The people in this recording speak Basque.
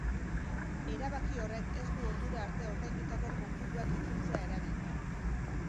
Erabaki horrek ez du ordura arte ordaindutako kopuruak itzultzea eragingo.